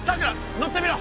乗ってみろ。